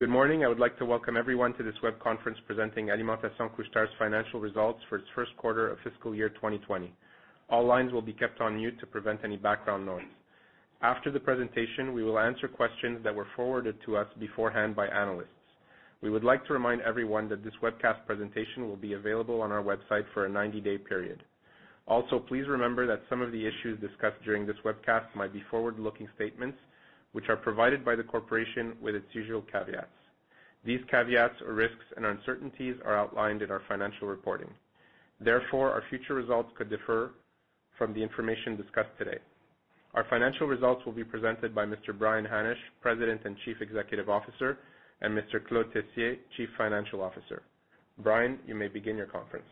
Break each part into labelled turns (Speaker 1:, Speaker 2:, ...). Speaker 1: Good morning. I would like to welcome everyone to this web conference presenting Alimentation Couche-Tard's financial results for its first quarter of fiscal year 2020. All lines will be kept on mute to prevent any background noise. After the presentation, we will answer questions that were forwarded to us beforehand by analysts. We would like to remind everyone that this webcast presentation will be available on our website for a 90-day period. Also, please remember that some of the issues discussed during this webcast might be forward-looking statements, which are provided by the corporation with its usual caveats. These caveats or risks and uncertainties are outlined in our financial reporting. Therefore, our future results could differ from the information discussed today. Our financial results will be presented by Mr. Brian Hannasch, President and Chief Executive Officer, and Mr. Claude Tessier, Chief Financial Officer. Brian, you may begin your conference.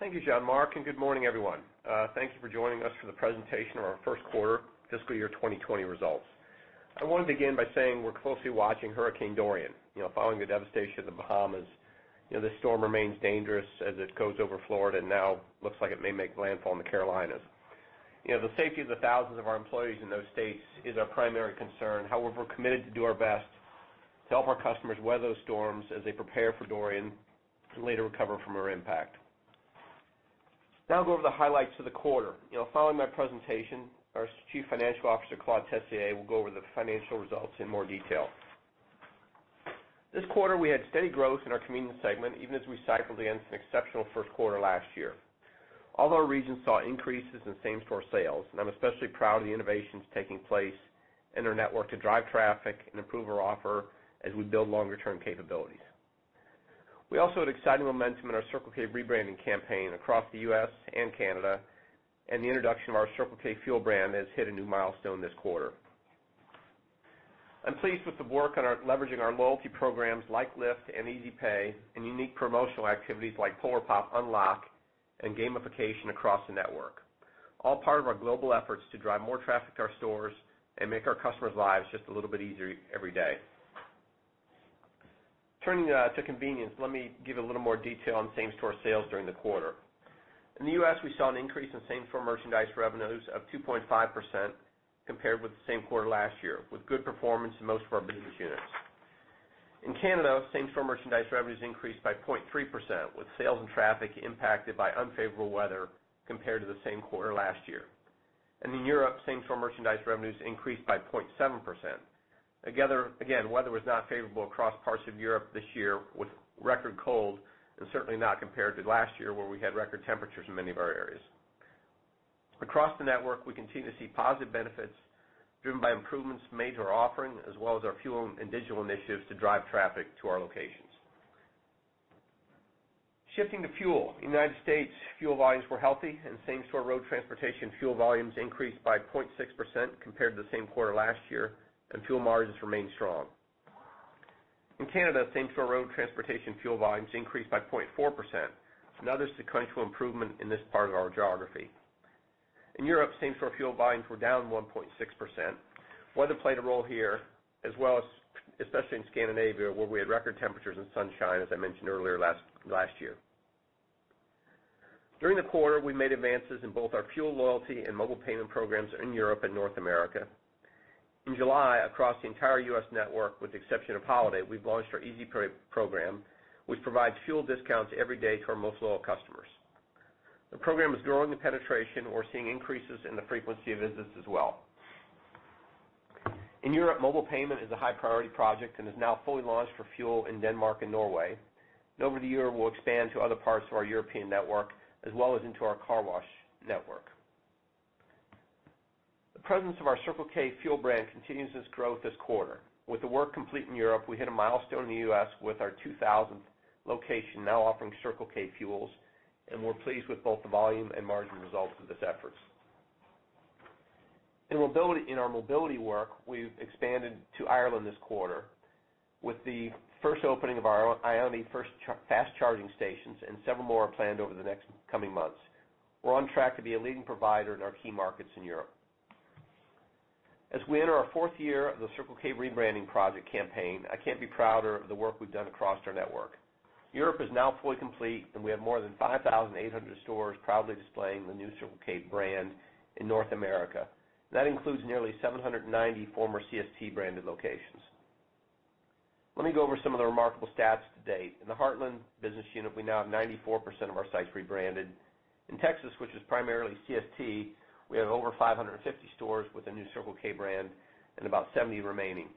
Speaker 2: Thank you, Jean-Marc, good morning, everyone. Thank you for joining us for the presentation of our first quarter fiscal year 2020 results. I wanted to begin by saying we're closely watching Hurricane Dorian. Following the devastation of the Bahamas, this storm remains dangerous as it goes over Florida and now looks like it may make landfall in the Carolinas. The safety of the thousands of our employees in those states is our primary concern. However, we're committed to do our best to help our customers weather those storms as they prepare for Dorian and later recover from her impact. Now I'll go over the highlights of the quarter. Following my presentation, our Chief Financial Officer, Claude Tessier, will go over the financial results in more detail. This quarter, we had steady growth in our convenience segment, even as we cycled against an exceptional first quarter last year. All our regions saw increases in same-store sales. I'm especially proud of the innovations taking place in our network to drive traffic and improve our offer as we build longer-term capabilities. We also had exciting momentum in our Circle K rebranding campaign across the U.S. and Canada. The introduction of our Circle K fuel brand has hit a new milestone this quarter. I'm pleased with the work on leveraging our loyalty programs like Lift and Easy Pay and unique promotional activities like Polar Pop Unlock and gamification across the network, all part of our global efforts to drive more traffic to our stores and make our customers' lives just a little bit easier every day. Turning to convenience, let me give a little more detail on same-store sales during the quarter. In the U.S., we saw an increase in same-store merchandise revenues of 2.5% compared with the same quarter last year, with good performance in most of our business units. In Canada, same-store merchandise revenues increased by 0.3%, with sales and traffic impacted by unfavorable weather compared to the same quarter last year. In Europe, same-store merchandise revenues increased by 0.7%. Again, weather was not favorable across parts of Europe this year with record cold, and certainly not compared to last year, where we had record temperatures in many of our areas. Across the network, we continue to see positive benefits driven by improvements made to our offering, as well as our fuel and digital initiatives to drive traffic to our locations. Shifting to fuel. In the U.S., fuel volumes were healthy, and same-store road transportation fuel volumes increased by 0.6% compared to the same quarter last year, and fuel margins remained strong. In Canada, same-store road transportation fuel volumes increased by 0.4%, another sequential improvement in this part of our geography. In Europe, same-store fuel volumes were down 1.6%. Weather played a role here as well, especially in Scandinavia, where we had record temperatures and sunshine, as I mentioned earlier, last year. During the quarter, we made advances in both our fuel loyalty and mobile payment programs in Europe and North America. In July, across the entire U.S. network, with the exception of Holiday, we've launched our Easy Pay program, which provides fuel discounts every day to our most loyal customers. The program is growing in penetration. We're seeing increases in the frequency of visits as well. In Europe, mobile payment is a high-priority project and is now fully launched for fuel in Denmark and Norway. Over the year, we'll expand to other parts of our European network, as well as into our car wash network. The presence of our Circle K fuel brand continues its growth this quarter. With the work complete in Europe, we hit a milestone in the U.S. with our 2,000th location now offering Circle K fuels, we're pleased with both the volume and margin results of these efforts. In our mobility work, we've expanded to Ireland this quarter with the first opening of our IONITY fast charging stations, several more are planned over the next coming months. We're on track to be a leading provider in our key markets in Europe. As we enter our fourth year of the Circle K rebranding project campaign, I can't be prouder of the work we've done across our network. Europe is now fully complete, and we have more than 5,800 stores proudly displaying the new Circle K brand in North America. That includes nearly 790 former CST-branded locations. Let me go over some of the remarkable stats to date. In the Heartland business unit, we now have 94% of our sites rebranded. In Texas, which is primarily CST, we have over 550 stores with the new Circle K brand and about 70 remaining.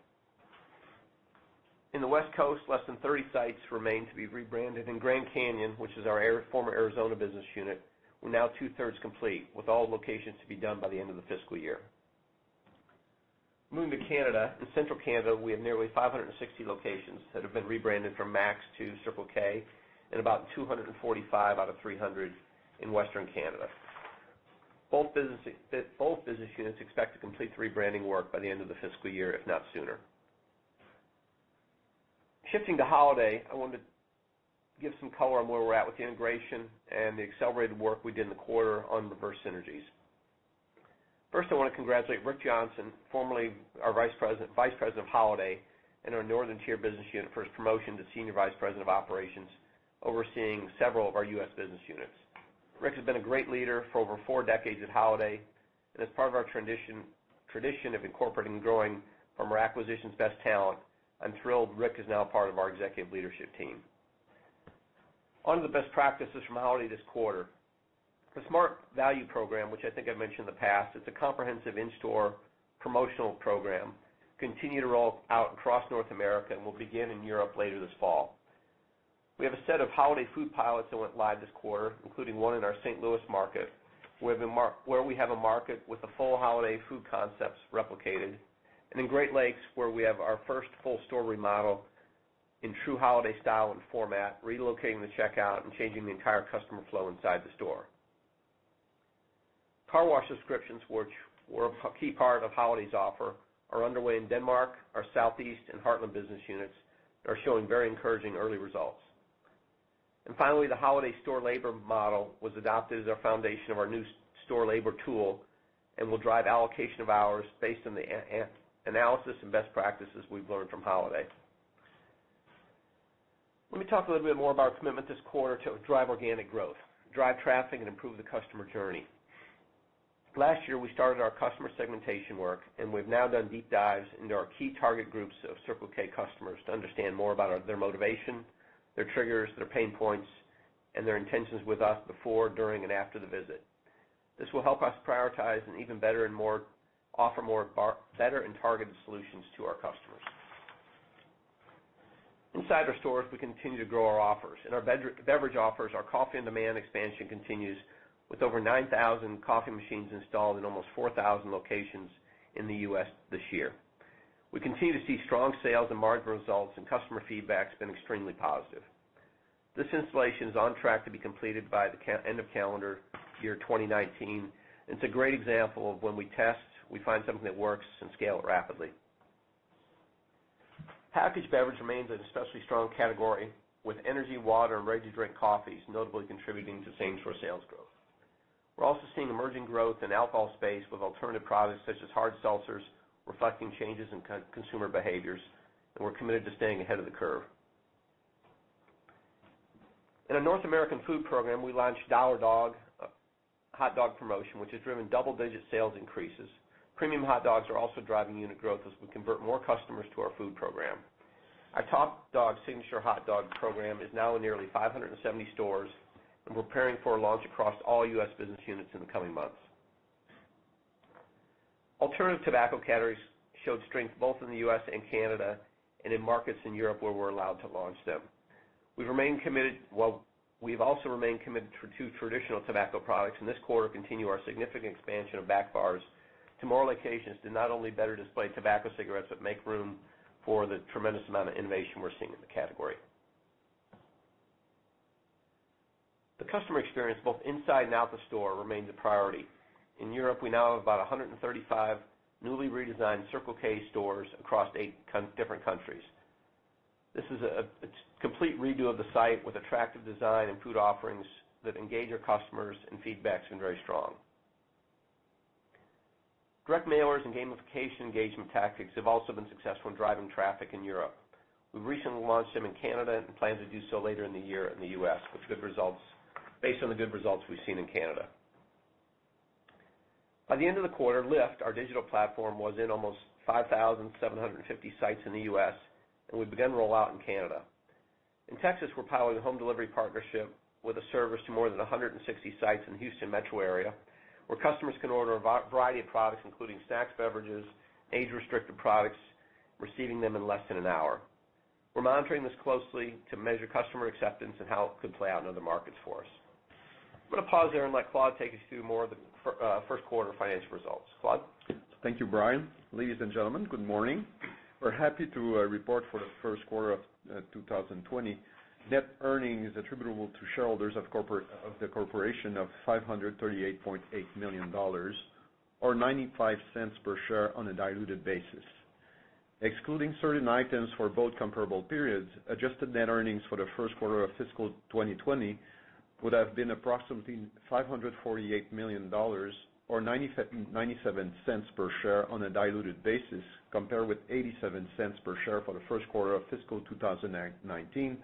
Speaker 2: In the West Coast, less than 30 sites remain to be rebranded. In Grand Canyon, which is our former Arizona business unit, we're now two-thirds complete, with all locations to be done by the end of the fiscal year. Moving to Canada. In Central Canada, we have nearly 560 locations that have been rebranded from Mac's to Circle K and about 245 out of 300 in Western Canada. Both business units expect to complete the rebranding work by the end of the fiscal year, if not sooner. Shifting to Holiday, I wanted to give some color on where we're at with the integration and the accelerated work we did in the quarter on the various synergies. I want to congratulate Rick Johnson, formerly our Vice President of Holiday in our Northern Tier business unit, for his promotion to Senior Vice President of Operations, overseeing several of our U.S. business units. Rick has been a great leader for over four decades at Holiday, as part of our tradition of incorporating growing from our acquisition's best talent, I'm thrilled Rick is now part of our executive leadership team. On to the best practices from Holiday this quarter. The Smart Value program, which I think I've mentioned in the past, it's a comprehensive in-store promotional program, continue to roll out across North America and will begin in Europe later this fall. We have a set of Holiday food pilots that went live this quarter, including one in our St. Louis market, where we have a market with the full Holiday food concepts replicated, and in Great Lakes, where we have our first full store remodel in true Holiday style and format, relocating the checkout and changing the entire customer flow inside the store. Car wash subscriptions, which were a key part of Holiday's offer, are underway in Denmark. Our Southeast and Heartland business units are showing very encouraging early results. Finally, the Holiday store labor model was adopted as our foundation of our new store labor tool and will drive allocation of hours based on the analysis and best practices we've learned from Holiday. Let me talk a little bit more about our commitment this quarter to drive organic growth, drive traffic, and improve the customer journey. Last year, we started our customer segmentation work, and we've now done deep dives into our key target groups of Circle K customers to understand more about their motivation, their triggers, their pain points, and their intentions with us before, during, and after the visit. This will help us prioritize Offer more better and targeted solutions to our customers. Inside our stores, we continue to grow our offers. In our beverage offers, our Coffee on Demand expansion continues with over 9,000 coffee machines installed in almost 4,000 locations in the U.S. this year. We continue to see strong sales and margin results, and customer feedback's been extremely positive. This installation is on track to be completed by the end of calendar year 2019, and it's a great example of when we test, we find something that works and scale it rapidly. Packaged beverage remains an especially strong category, with energy, water, and ready-to-drink coffees notably contributing to same-store sales growth. We're also seeing emerging growth in the alcohol space with alternative products such as hard seltzers, reflecting changes in consumer behaviors, and we're committed to staying ahead of the curve. In our North American food program, we launched Dollar Dog, a hot dog promotion, which has driven double-digit sales increases. Premium hot dogs are also driving unit growth as we convert more customers to our food program. Our Top Dog signature hot dog program is now in nearly 570 stores. We're preparing for a launch across all U.S. business units in the coming months. Alternative tobacco categories showed strength both in the U.S. and Canada, and in markets in Europe where we're allowed to launch them. We've also remained committed to traditional tobacco products and this quarter continue our significant expansion of back bars to more locations to not only better display tobacco cigarettes but make room for the tremendous amount of innovation we're seeing in the category. The customer experience both inside and out the store remains a priority. In Europe, we now have about 135 newly redesigned Circle K stores across eight different countries. This is a complete redo of the site with attractive design and food offerings that engage our customers, and feedback's been very strong. Direct mailers and gamification engagement tactics have also been successful in driving traffic in Europe. We've recently launched them in Canada and plan to do so later in the year in the U.S. based on the good results we've seen in Canada. By the end of the quarter, Lift, our digital platform, was in almost 5,750 sites in the U.S., and we've begun rollout in Canada. In Texas, we're piloting a home delivery partnership with a service to more than 160 sites in the Houston metro area, where customers can order a variety of products, including snacks, beverages, age-restricted products, receiving them in less than an hour. We're monitoring this closely to measure customer acceptance and how it could play out in other markets for us. I'm going to pause there and let Claude take us through more of the first quarter financial results. Claude?
Speaker 3: Thank you, Brian. Ladies and gentlemen, good morning. We're happy to report for the first quarter of 2020, net earnings attributable to shareholders of the corporation of 538.8 million dollars, or 0.95 per share on a diluted basis. Excluding certain items for both comparable periods, adjusted net earnings for the first quarter of fiscal 2020 would have been approximately 548 million dollars, or 0.97 per share on a diluted basis, compared with 0.87 per share for the first quarter of fiscal 2019,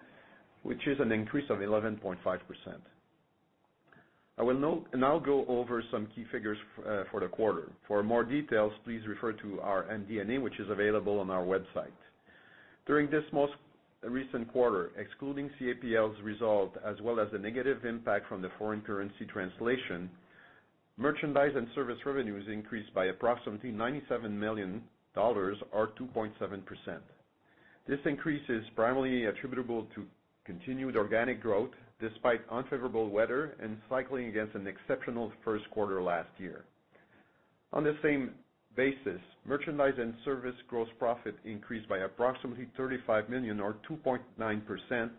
Speaker 3: which is an increase of 11.5%. I will now go over some key figures for the quarter. For more details, please refer to our MD&A, which is available on our website. During this most recent quarter, excluding CAPL's result as well as the negative impact from the foreign currency translation, merchandise and service revenues increased by approximately 97 million dollars, or 2.7%. This increase is primarily attributable to continued organic growth despite unfavorable weather and cycling against an exceptional first quarter last year. On the same basis, merchandise and service gross profit increased by approximately 35 million or 2.9%,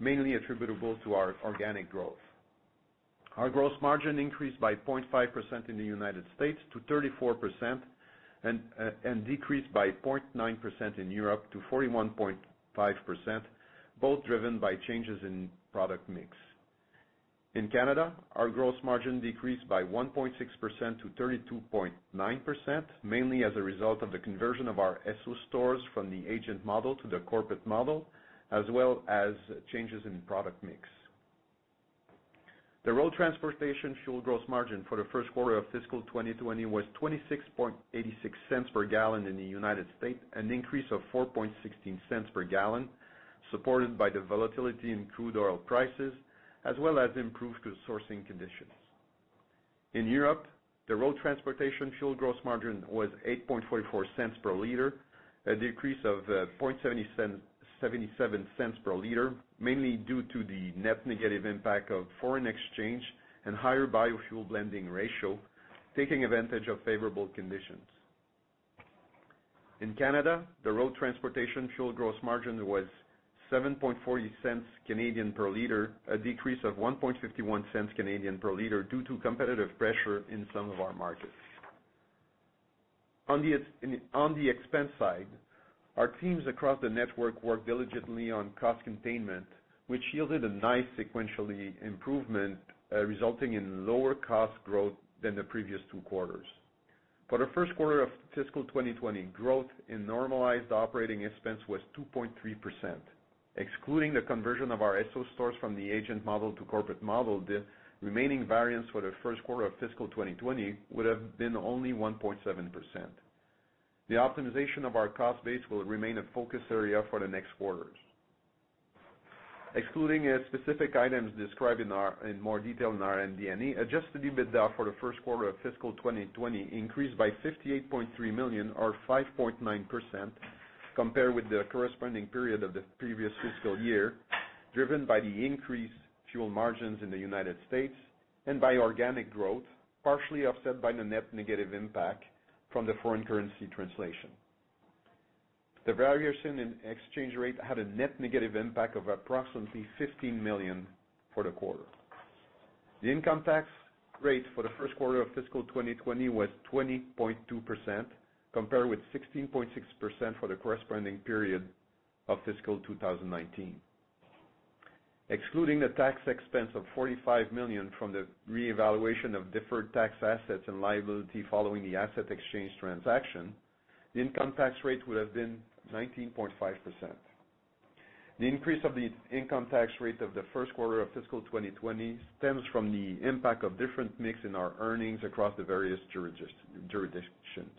Speaker 3: mainly attributable to our organic growth. Our gross margin increased by 0.5% in the United States to 34% and decreased by 0.9% in Europe to 41.5%, both driven by changes in product mix. In Canada, our gross margin decreased by 1.6% to 32.9%, mainly as a result of the conversion of our Esso stores from the agent model to the corporate model, as well as changes in product mix. The road transportation fuel gross margin for the first quarter of fiscal 2020 was $0.2686 per gallon in the United States, an increase of $0.0416 per gallon, supported by the volatility in crude oil prices, as well as improved sourcing conditions. In Europe, the road transportation fuel gross margin was 0.0844 per liter, a decrease of 0.0077 per liter, mainly due to the net negative impact of foreign exchange and higher biofuel blending ratio, taking advantage of favorable conditions. In Canada, the road transportation fuel gross margin was 0.0740 per liter, a decrease of 0.0151 per liter due to competitive pressure in some of our markets. On the expense side, our teams across the network worked diligently on cost containment, which yielded a nice sequential improvement, resulting in lower cost growth than the previous two quarters. For the first quarter of fiscal 2020, growth in normalized operating expense was 2.3%. Excluding the conversion of our Esso stores from the agent model to corporate model, the remaining variance for the first quarter of fiscal 2020 would have been only 1.7%. The optimization of our cost base will remain a focus area for the next quarters. Excluding specific items described in more detail in our MD&A, adjusted EBITDA for the first quarter of fiscal 2020 increased by 58.3 million or 5.9% compared with the corresponding period of the previous fiscal year, driven by the increased fuel margins in the U.S. and by organic growth, partially offset by the net negative impact from the foreign currency translation. The variation in exchange rate had a net negative impact of approximately 15 million for the quarter. The income tax rate for the first quarter of fiscal 2020 was 20.2%, compared with 16.6% for the corresponding period of fiscal 2019. Excluding the tax expense of 45 million from the reevaluation of deferred tax assets and liability following the asset exchange transaction, the income tax rate would have been 19.5%. The increase of the income tax rate of the first quarter of fiscal 2020 stems from the impact of different mix in our earnings across the various jurisdictions.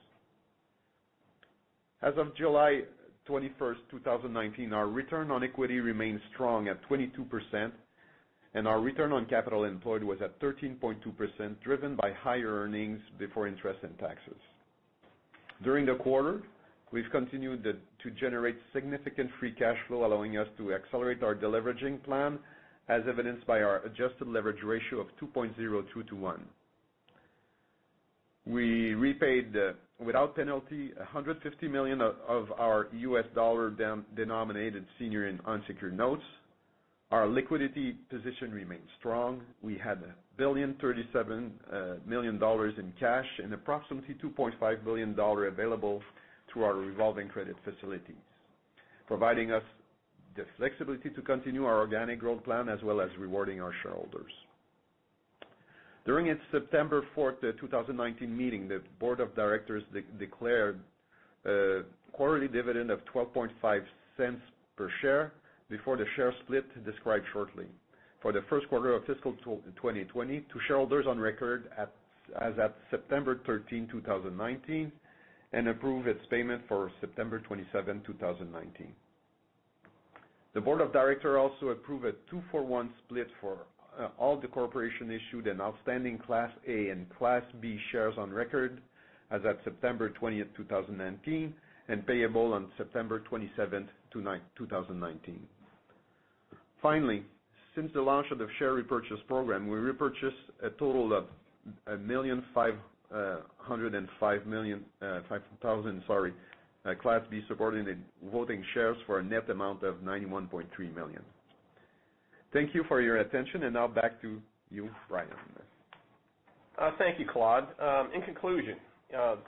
Speaker 3: As of July 21st, 2019, our return on equity remains strong at 22%, and our return on capital employed was at 13.2%, driven by higher earnings before interest and taxes. During the quarter, we've continued to generate significant free cash flow, allowing us to accelerate our deleveraging plan, as evidenced by our adjusted leverage ratio of 2.02:1. We repaid, without penalty, $150 million of our US dollar-denominated senior and unsecured notes. Our liquidity position remains strong. We had 1.037 billion in cash and approximately 2.5 billion dollar available through our revolving credit facilities, providing us the flexibility to continue our organic growth plan as well as rewarding our shareholders. During its September 4th, 2019 meeting, the Board of Directors declared a quarterly dividend of 0.125 per share before the share split described shortly, for the first quarter of fiscal 2020, to shareholders on record as at September 13, 2019, and approve its payment for September 27, 2019. The Board of Directors also approved a two-for-one split for all the corporation issued and outstanding Class A and Class B shares on record as at September 20th, 2019, and payable on September 27th, 2019. Finally, since the launch of the share repurchase program, we repurchased a total of 1,505,000 Class B subordinate voting shares for a net amount of 91.3 million. Thank you for your attention. Now back to you, Brian.
Speaker 2: Thank you, Claude. In conclusion,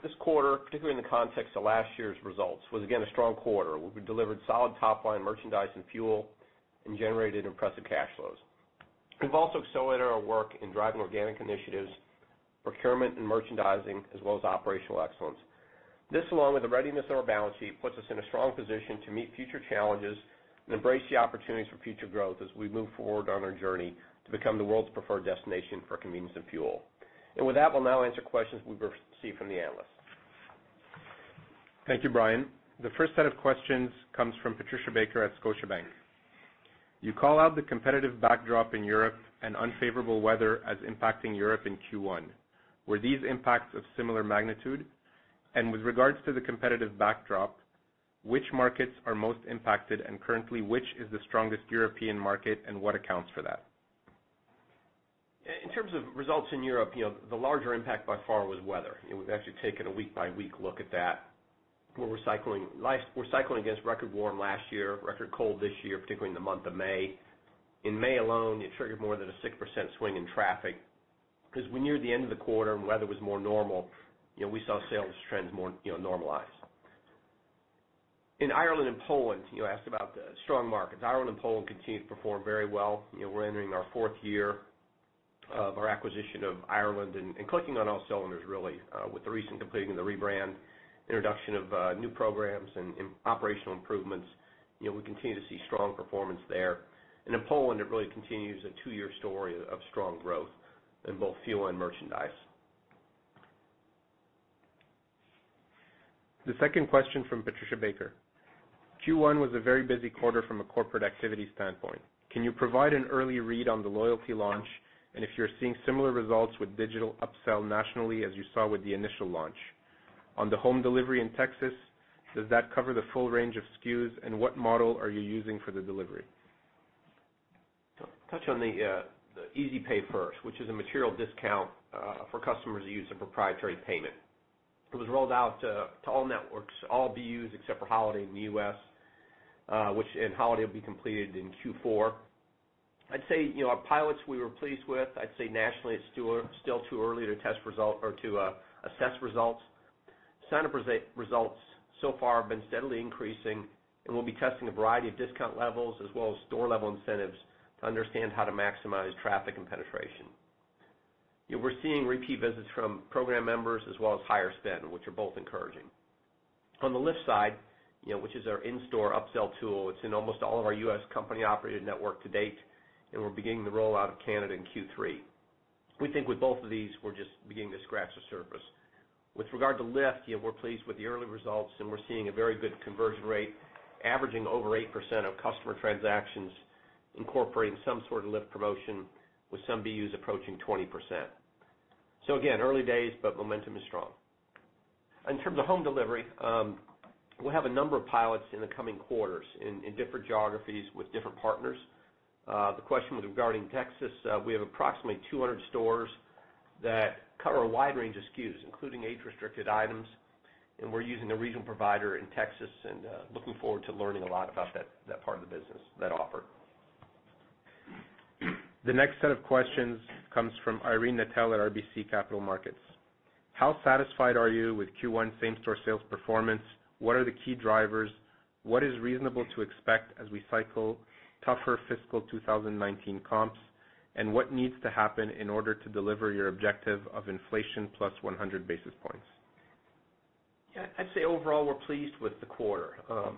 Speaker 2: this quarter, particularly in the context of last year's results, was again a strong quarter, where we delivered solid top-line merchandise and fuel and generated impressive cash flows. We've also accelerated our work in driving organic initiatives, procurement and merchandising, as well as operational excellence. This, along with the readiness of our balance sheet, puts us in a strong position to meet future challenges and embrace the opportunities for future growth as we move forward on our journey to become the world's preferred destination for convenience and fuel. With that, we'll now answer questions we've received from the analysts.
Speaker 1: Thank you, Brian. The first set of questions comes from Patricia Baker at Scotiabank. You call out the competitive backdrop in Europe and unfavorable weather as impacting Europe in Q1. Were these impacts of similar magnitude? With regards to the competitive backdrop, which markets are most impacted, and currently which is the strongest European market and what accounts for that?
Speaker 2: In terms of results in Europe, the larger impact by far was weather. We've actually taken a week-by-week look at that. We're cycling against record warm last year, record cold this year, particularly in the month of May. In May alone, it triggered more than a 6% swing in traffic. We neared the end of the quarter and weather was more normal, we saw sales trends more normalize. In Ireland and Poland, you asked about the strong markets. Ireland and Poland continue to perform very well. We're entering our fourth year of our acquisition of Ireland and clicking on all cylinders, really, with the recent completing of the rebrand, introduction of new programs and operational improvements. We continue to see strong performance there. In Poland, it really continues a two-year story of strong growth in both fuel and merchandise.
Speaker 1: The second question from Patricia Baker. Q1 was a very busy quarter from a corporate activity standpoint. Can you provide an early read on the loyalty launch, and if you're seeing similar results with digital upsell nationally as you saw with the initial launch? On the home delivery in Texas, does that cover the full range of SKUs, and what model are you using for the delivery?
Speaker 2: I'll touch on the Easy Pay first, which is a material discount for customers who use a proprietary payment. It was rolled out to all networks, all BUs except for Holiday in the U.S., and Holiday will be completed in Q4. I'd say, our pilots we were pleased with. I'd say nationally it's still too early to assess results. Sign-up results so far have been steadily increasing, we'll be testing a variety of discount levels as well as store-level incentives to understand how to maximize traffic and penetration. We're seeing repeat visits from program members as well as higher spend, which are both encouraging. On the Lift side, which is our in-store upsell tool, it's in almost all of our U.S. company-operated network to date, we're beginning the rollout of Canada in Q3. We think with both of these, we're just beginning to scratch the surface. With regard to Lift, we're pleased with the early results, and we're seeing a very good conversion rate, averaging over 8% of customer transactions, incorporating some sort of Lift promotion with some BUs approaching 20%. Again, early days, but momentum is strong. In terms of home delivery, we'll have a number of pilots in the coming quarters in different geographies with different partners. The question was regarding Texas. We have approximately 200 stores that cover a wide range of SKUs, including age-restricted items, and we're using a regional provider in Texas and looking forward to learning a lot about that part of the business, that offer.
Speaker 1: The next set of questions comes from Irene Nattel at RBC Capital Markets. How satisfied are you with Q1 same-store sales performance? What are the key drivers? What is reasonable to expect as we cycle tougher fiscal 2019 comps? What needs to happen in order to deliver your objective of inflation plus 100 basis points?
Speaker 2: Yeah, I'd say overall, we're pleased with the quarter.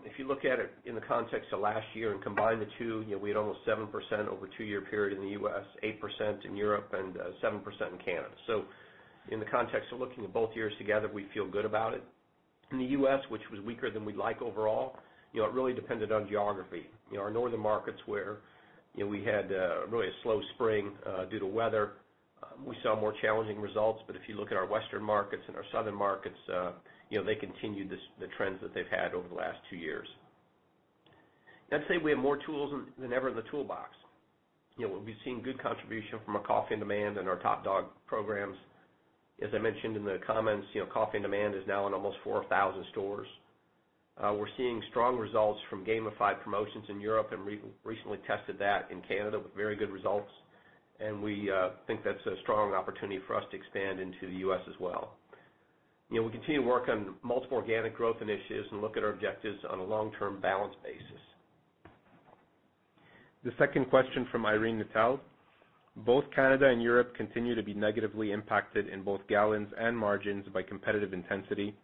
Speaker 2: If you look at it in the context of last year and combine the two, we had almost 7% over a two-year period in the U.S., 8% in Europe, and 7% in Canada. In the context of looking at both years together, we feel good about it. In the U.S., which was weaker than we'd like overall, it really depended on geography. Our northern markets where we had really a slow spring, due to weather, we saw more challenging results. If you look at our western markets and our southern markets, they continued the trends that they've had over the last two years. I'd say we have more tools than ever in the toolbox. We've seen good contribution from our Coffee on Demand and our Top Dog programs. As I mentioned in the comments, Coffee on Demand is now in almost 4,000 stores. We're seeing strong results from gamified promotions in Europe and recently tested that in Canada with very good results. We think that's a strong opportunity for us to expand into the U.S. as well. We continue to work on multiple organic growth initiatives and look at our objectives on a long-term balance basis.
Speaker 1: The second question from Irene Nattel. Both Canada and Europe continue to be negatively impacted in both gallons and margins by competitive intensity.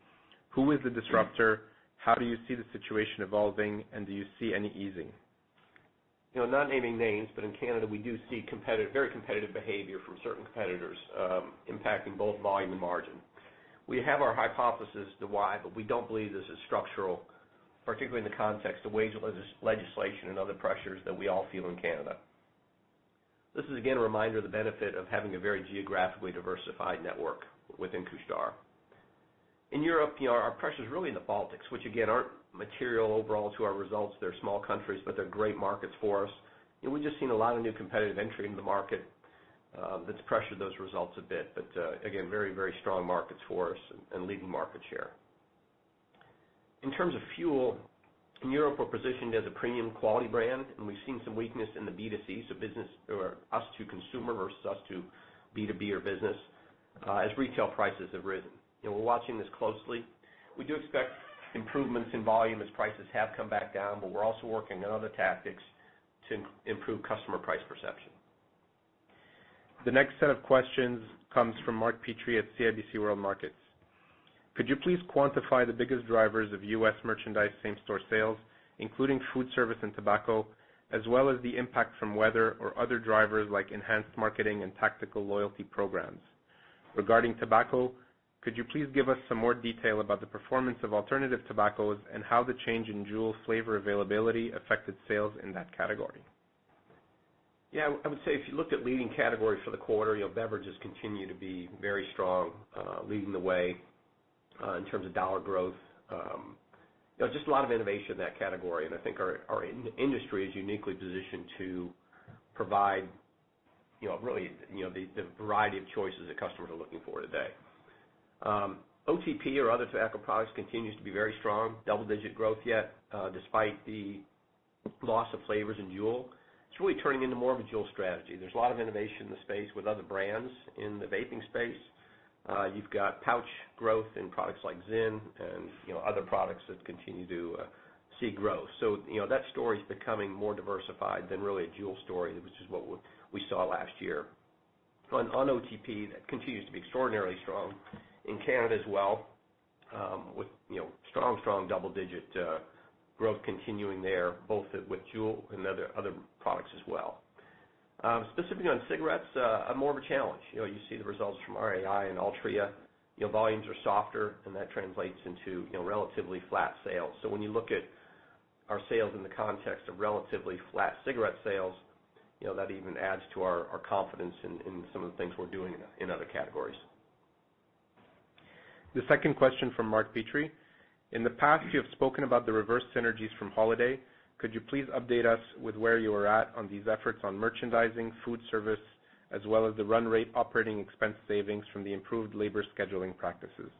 Speaker 1: Who is the disruptor? How do you see the situation evolving, and do you see any easing?
Speaker 2: Not naming names, in Canada, we do see very competitive behavior from certain competitors, impacting both volume and margin. We have our hypothesis as to why, we don't believe this is structural, particularly in the context of wage legislation and other pressures that we all feel in Canada. This is again a reminder of the benefit of having a very geographically diversified network within Couche-Tard. In Europe, our pressure's really in the Baltics, which again, aren't material overall to our results. They're small countries, they're great markets for us. We've just seen a lot of new competitive entry into the market that's pressured those results a bit, but again, very strong markets for us and leading market share. In terms of fuel, in Europe, we're positioned as a premium quality brand, and we've seen some weakness in the B2C, so business or us to consumer versus us to B2B or business, as retail prices have risen. We're watching this closely. We do expect improvements in volume as prices have come back down, but we're also working on other tactics to improve customer price perception.
Speaker 1: The next set of questions comes from Mark Petrie at CIBC World Markets. Could you please quantify the biggest drivers of U.S. merchandise same-store sales, including food service and tobacco, as well as the impact from weather or other drivers like enhanced marketing and tactical loyalty programs? Regarding tobacco, could you please give us some more detail about the performance of alternative tobaccos and how the change in JUUL flavor availability affected sales in that category?
Speaker 2: Yeah, I would say if you looked at leading categories for the quarter, beverages continue to be very strong, leading the way in terms of dollar growth. Just a lot of innovation in that category, and I think our industry is uniquely positioned to provide really the variety of choices that customers are looking for today. OTP or other tobacco products continues to be very strong, double-digit growth yet, despite the loss of flavors in JUUL. It's really turning into more of a JUUL strategy. There's a lot of innovation in the space with other brands in the vaping space. You've got pouch growth in products like ZYN and other products that continue to see growth. That story's becoming more diversified than really a JUUL story, which is what we saw last year. On OTP, that continues to be extraordinarily strong in Canada as well, with strong double-digit growth continuing there, both with JUUL and other products as well. Specifically on cigarettes, more of a challenge. You see the results from RAI and Altria. Volumes are softer, and that translates into relatively flat sales. When you look at our sales in the context of relatively flat cigarette sales, that even adds to our confidence in some of the things we're doing in other categories.
Speaker 1: The second question from Mark Petrie. In the past, you have spoken about the reverse synergies from Holiday. Could you please update us with where you are at on these efforts on merchandising, food service, as well as the run rate operating expense savings from the improved labor scheduling practices?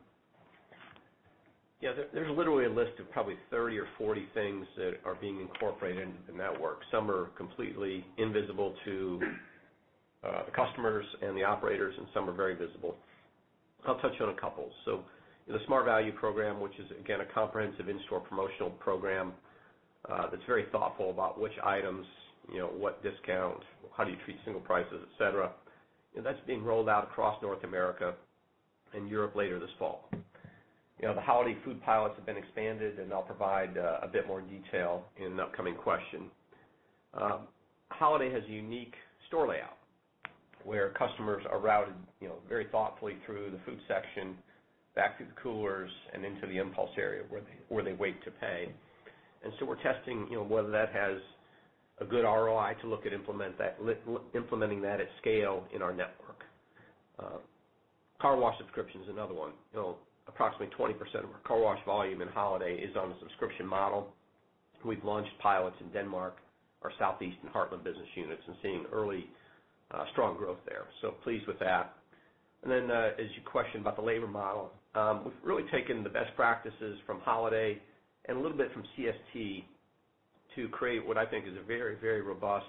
Speaker 2: Yeah. There's literally a list of probably 30 or 40 things that are being incorporated into the network. Some are completely invisible to the customers and the operators, and some are very visible. I'll touch on a couple. The Smart Value program, which is, again, a comprehensive in-store promotional program that's very thoughtful about which items, what discount, how do you treat single prices, et cetera. That's being rolled out across North America and Europe later this fall. The Holiday food pilots have been expanded, and I'll provide a bit more detail in an upcoming question. Holiday has a unique store layout, where customers are routed very thoughtfully through the food section, back through the coolers, and into the impulse area where they wait to pay. We're testing whether that has a good ROI to look at implementing that at scale in our network. Car wash subscription is another one. Approximately 20% of our car wash volume in Holiday is on the subscription model. We've launched pilots in Denmark, our Southeastern Heartland business units, and seeing early strong growth there. Pleased with that. As you questioned about the labor model, we've really taken the best practices from Holiday and a little bit from CST to create what I think is a very robust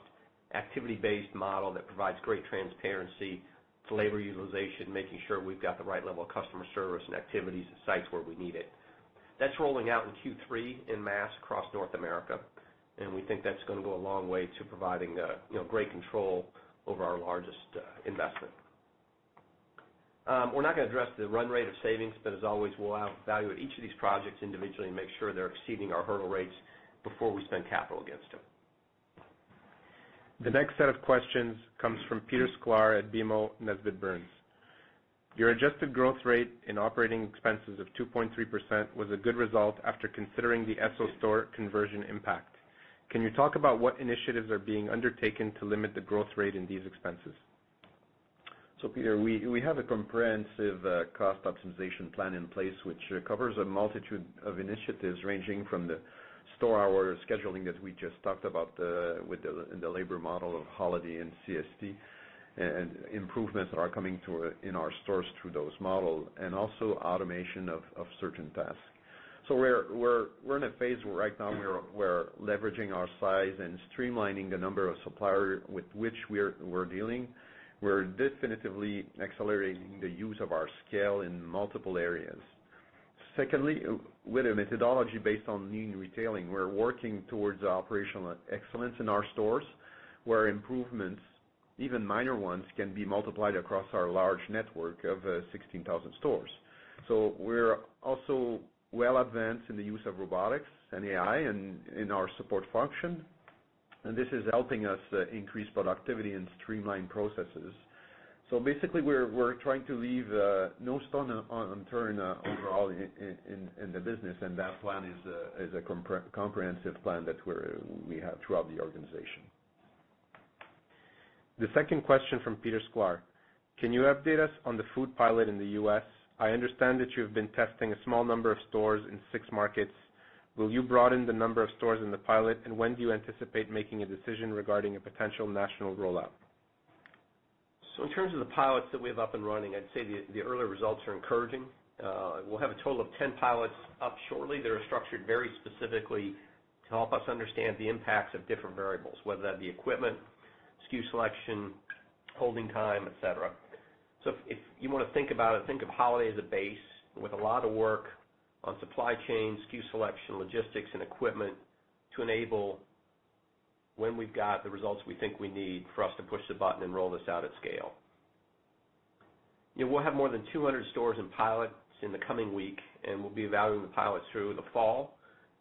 Speaker 2: activity-based model that provides great transparency to labor utilization, making sure we've got the right level of customer service and activities at sites where we need it. That's rolling out in Q3 en masse across North America, and we think that's gonna go a long way to providing great control over our largest investment. We're not gonna address the run rate of savings. As always, we'll evaluate each of these projects individually and make sure they're exceeding our hurdle rates before we spend capital against them.
Speaker 1: The next set of questions comes from Peter Sklar at BMO Nesbitt Burns. Your adjusted growth rate in operating expenses of 2.3% was a good result after considering the Esso store conversion impact. Can you talk about what initiatives are being undertaken to limit the growth rate in these expenses?
Speaker 3: Peter, we have a comprehensive cost optimization plan in place, which covers a multitude of initiatives ranging from the store hours scheduling that we just talked about in the labor model of Holiday and CST, and improvements that are coming in our stores through those models, and also automation of certain tasks. We're in a phase right now where we're leveraging our size and streamlining the number of suppliers with which we're dealing. We're definitively accelerating the use of our scale in multiple areas. Secondly, with a methodology based on lean retailing, we're working towards operational excellence in our stores, where improvements, even minor ones, can be multiplied across our large network of 16,000 stores. We're also well advanced in the use of robotics and AI in our support function. This is helping us increase productivity and streamline processes. Basically, we're trying to leave no stone unturned overall in the business, and that plan is a comprehensive plan that we have throughout the organization.
Speaker 1: The second question from Peter Sklar. Can you update us on the food pilot in the U.S.? I understand that you've been testing a small number of stores in six markets. Will you broaden the number of stores in the pilot, and when do you anticipate making a decision regarding a potential national rollout?
Speaker 2: In terms of the pilots that we have up and running, I'd say the early results are encouraging. We'll have a total of 10 pilots up shortly. They're structured very specifically to help us understand the impacts of different variables, whether that be equipment, SKU selection, holding time, et cetera. If you want to think about it, think of Holiday as a base with a lot of work on supply chain, SKU selection, logistics, and equipment to enable when we've got the results we think we need for us to push the button and roll this out at scale. We'll have more than 200 stores in pilot in the coming week, and we'll be evaluating the pilot through the fall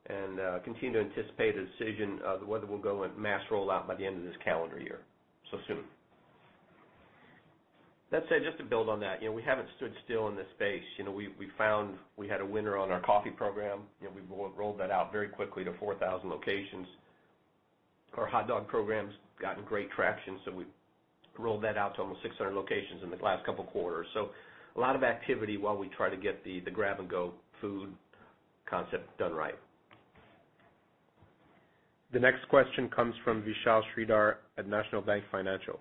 Speaker 2: and continue to anticipate a decision of whether we'll go in mass rollout by the end of this calendar year. Soon. Let's say, just to build on that, we haven't stood still in this space. We found we had a winner on our coffee program. We rolled that out very quickly to 4,000 locations. Our hot dog program's gotten great traction. We rolled that out to almost 600 locations in the last couple of quarters. A lot of activity while we try to get the grab-and-go food concept done right.
Speaker 1: The next question comes from Vishal Shreedhar at National Bank Financial.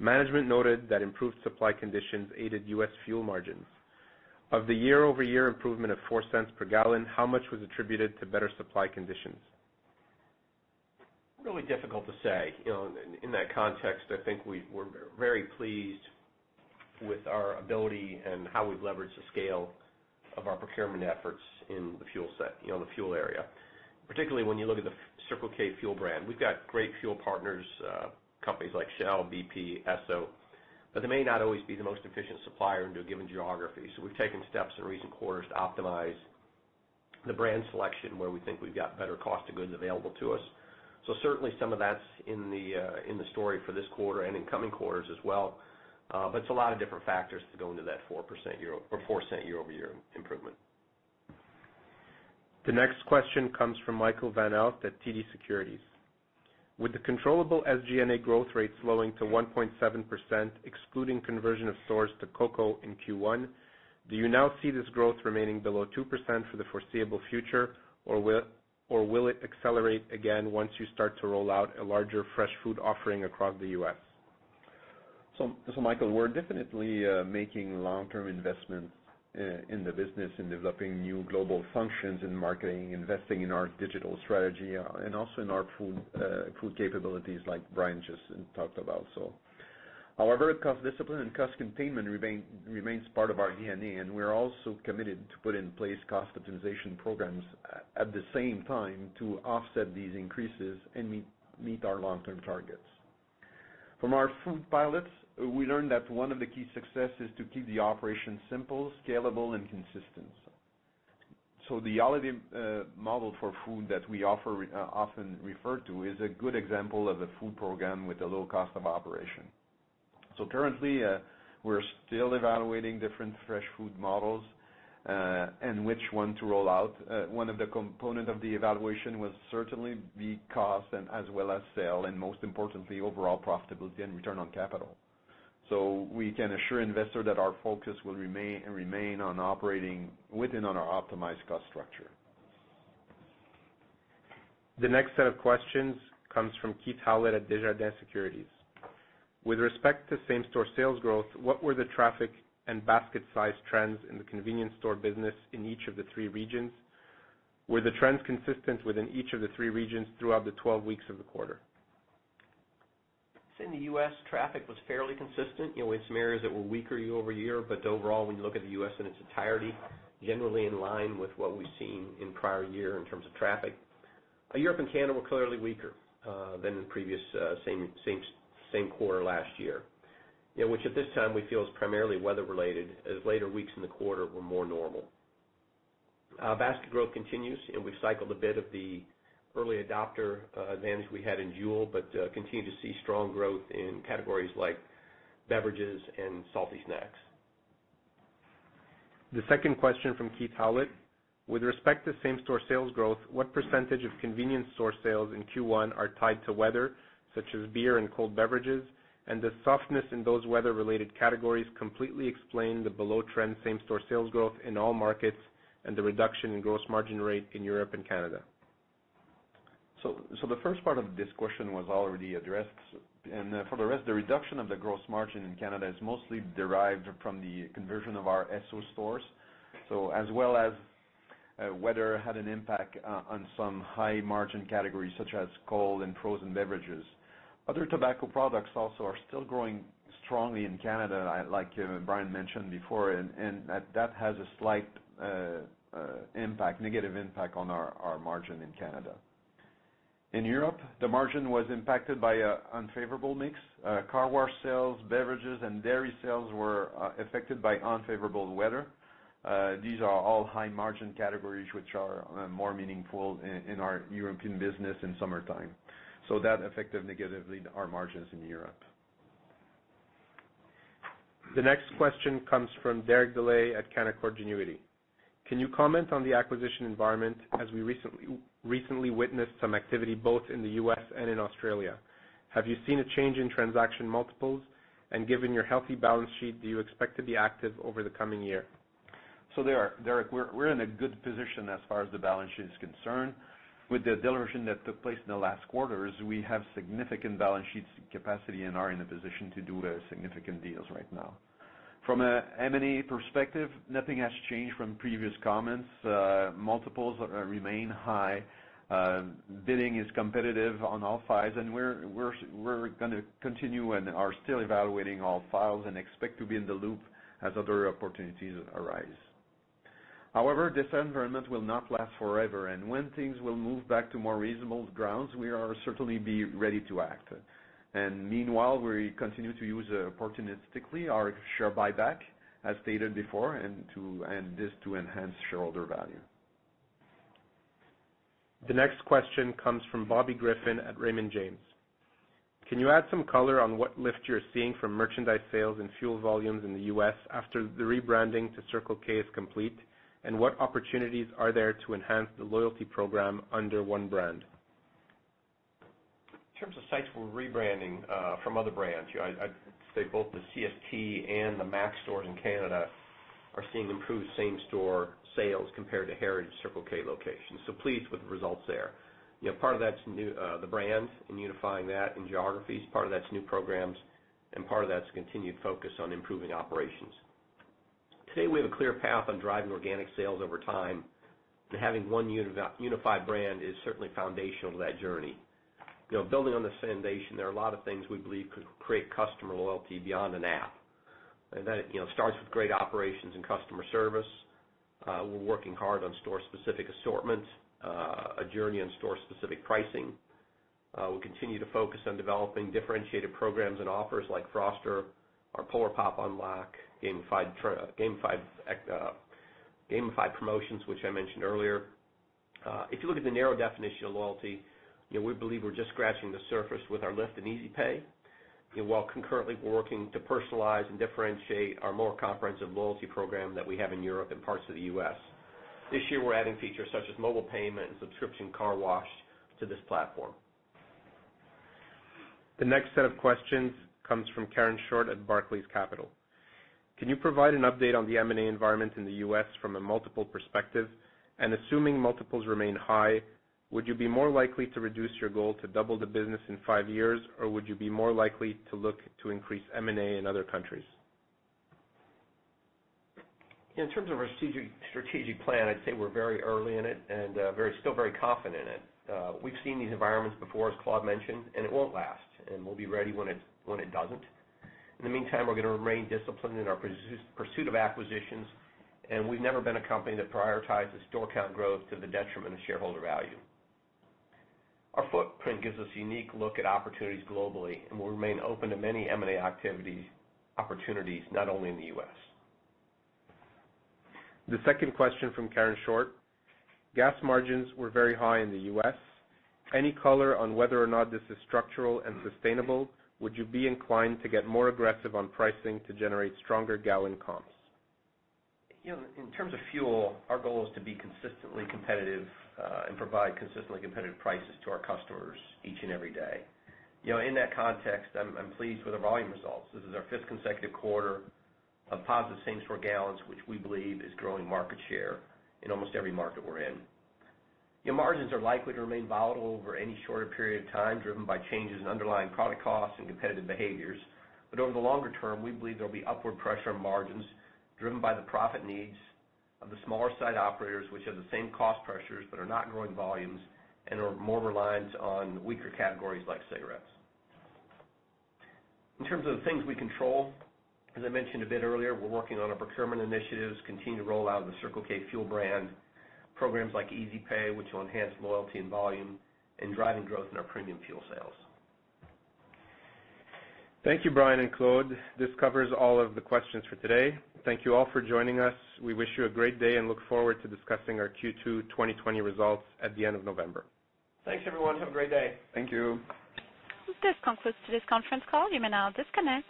Speaker 1: Management noted that improved supply conditions aided U.S. fuel margins. Of the year-over-year improvement of $0.04 per gallon, how much was attributed to better supply conditions?
Speaker 2: Really difficult to say. In that context, I think we're very pleased with our ability and how we've leveraged the scale of our procurement efforts in the fuel set, the fuel area, particularly when you look at the Circle K fuel brand. We've got great fuel partners, companies like Shell, BP, Esso, but they may not always be the most efficient supplier into a given geography. We've taken steps in recent quarters to optimize the brand selection where we think we've got better cost of goods available to us. Certainly, some of that's in the story for this quarter and in coming quarters as well. It's a lot of different factors to go into that 4% year-over-year improvement.
Speaker 1: The next question comes from Michael Van Aelst at TD Securities. With the controllable SG&A growth rate slowing to 1.7%, excluding conversion of stores to COCO in Q1, do you now see this growth remaining below 2% for the foreseeable future? Or will it accelerate again once you start to roll out a larger fresh food offering across the U.S.?
Speaker 3: Michael, we're definitely making long-term investments in the business, in developing new global functions in marketing, investing in our digital strategy, and also in our food capabilities, like Brian just talked about. Our cost discipline and cost containment remains part of our DNA, and we're also committed to put in place cost optimization programs at the same time to offset these increases and meet our long-term targets. From our food pilots, we learned that one of the key success is to keep the operation simple, scalable, and consistent. The OLIVE model for food that we often refer to is a good example of a food program with a low cost of operation. Currently, we're still evaluating different fresh food models, and which one to roll out. One of the component of the evaluation was certainly the cost as well as sale, and most importantly, overall profitability and return on capital. We can assure investors that our focus will remain on operating within on our optimized cost structure.
Speaker 1: The next set of questions comes from Keith Howlett at Desjardins Securities. With respect to same-store sales growth, what were the traffic and basket size trends in the convenience store business in each of the three regions? Were the trends consistent within each of the three regions throughout the 12 weeks of the quarter?
Speaker 2: In the U.S., traffic was fairly consistent. We had some areas that were weaker year-over-year, but overall, when you look at the U.S. in its entirety, generally in line with what we've seen in prior year in terms of traffic. Europe and Canada were clearly weaker than the previous same quarter last year, which at this time we feel is primarily weather related, as later weeks in the quarter were more normal. Basket growth continues, and we've cycled a bit of the early adopter advantage we had in JUUL, but continue to see strong growth in categories like beverages and salty snacks.
Speaker 1: The second question from Keith Howlett: With respect to same-store sales growth, what percentage of convenience store sales in Q1 are tied to weather, such as beer and cold beverages, and the softness in those weather-related categories completely explain the below-trend same-store sales growth in all markets and the reduction in gross margin rate in Europe and Canada?
Speaker 3: The first part of this question was already addressed, and for the rest, the reduction of the gross margin in Canada is mostly derived from the conversion of our Esso stores. As well as weather had an impact on some high margin categories such as cold and frozen beverages. Other tobacco products also are still growing strongly in Canada, like Brian mentioned before, and that has a slight negative impact on our margin in Canada. In Europe, the margin was impacted by unfavorable mix. Car wash sales, beverages, and dairy sales were affected by unfavorable weather. These are all high margin categories, which are more meaningful in our European business in summertime. That affected negatively our margins in Europe.
Speaker 1: The next question comes from Derek Dley at Canaccord Genuity. Can you comment on the acquisition environment as we recently witnessed some activity both in the U.S. and in Australia? Have you seen a change in transaction multiples? Given your healthy balance sheet, do you expect to be active over the coming year?
Speaker 3: Derek, we're in a good position as far as the balance sheet is concerned. With the dilution that took place in the last quarters, we have significant balance sheets capacity and are in a position to do significant deals right now. From an M&A perspective, nothing has changed from previous comments. Multiples remain high. Bidding is competitive on all sides, and we're going to continue and are still evaluating all files and expect to be in the loop as other opportunities arise. However, this environment will not last forever, and when things will move back to more reasonable grounds, we are certainly be ready to act. Meanwhile, we continue to use opportunistically our share buyback, as stated before, and this to enhance shareholder value.
Speaker 1: The next question comes from Bobby Griffin at Raymond James. Can you add some color on what lift you're seeing from merchandise sales and fuel volumes in the U.S. after the rebranding to Circle K is complete? What opportunities are there to enhance the loyalty program under one brand?
Speaker 2: In terms of sites we're rebranding from other brands, I'd say both the CST and the Mac's stores in Canada are seeing improved same-store sales compared to heritage Circle K locations. Pleased with the results there. Part of that's the brand and unifying that in geographies, part of that's new programs, and part of that's continued focus on improving operations. Today, we have a clear path on driving organic sales over time. Having one unified brand is certainly foundational to that journey. Building on this foundation, there are a lot of things we believe could create customer loyalty beyond an app. That starts with great operations and customer service. We're working hard on store-specific assortments, a journey on store-specific pricing. We'll continue to focus on developing differentiated programs and offers like Froster, our Polar Pop Unlock, gamified promotions, which I mentioned earlier. If you look at the narrow definition of loyalty, we believe we're just scratching the surface with our list in Easy Pay, while concurrently we're working to personalize and differentiate our more comprehensive loyalty program that we have in Europe and parts of the U.S. This year, we're adding features such as mobile payment and subscription car wash to this platform.
Speaker 1: The next set of questions comes from Karen Short at Barclays Capital. Can you provide an update on the M&A environment in the U.S. from a multiple perspective? Assuming multiples remain high, would you be more likely to reduce your goal to double the business in five years, or would you be more likely to look to increase M&A in other countries?
Speaker 2: In terms of our strategic plan, I'd say we're very early in it and still very confident in it. We've seen these environments before, as Claude mentioned. It won't last. We'll be ready when it doesn't. In the meantime, we're going to remain disciplined in our pursuit of acquisitions. We've never been a company that prioritizes store count growth to the detriment of shareholder value. Our footprint gives us a unique look at opportunities globally. We'll remain open to many M&A opportunities, not only in the U.S.
Speaker 1: The second question from Karen Short. Gas margins were very high in the U.S. Any color on whether or not this is structural and sustainable? Would you be inclined to get more aggressive on pricing to generate stronger gallon comps?
Speaker 2: In terms of fuel, our goal is to be consistently competitive and provide consistently competitive prices to our customers each and every day. In that context, I'm pleased with our volume results. This is our fifth consecutive quarter of positive same-store gallons, which we believe is growing market share in almost every market we're in. Margins are likely to remain volatile over any shorter period of time, driven by changes in underlying product costs and competitive behaviors. Over the longer term, we believe there'll be upward pressure on margins driven by the profit needs of the smaller site operators, which have the same cost pressures but are not growing volumes and are more reliant on weaker categories like cigarettes. In terms of the things we control, as I mentioned a bit earlier, we're working on our procurement initiatives, continue to roll out the Circle K fuel brand, programs like Easy Pay, which will enhance loyalty and volume, and driving growth in our premium fuel sales.
Speaker 1: Thank you, Brian and Claude. This covers all of the questions for today. Thank you all for joining us. We wish you a great day and look forward to discussing our Q2 2020 results at the end of November.
Speaker 2: Thanks, everyone. Have a great day.
Speaker 1: Thank you. This concludes today's conference call. You may now disconnect.